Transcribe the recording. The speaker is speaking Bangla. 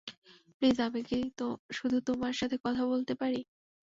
প্লিজ, আমি কি শুধু তোমার সাথে কথা বলতে পারি?